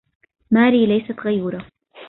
ماري ليست غيورة.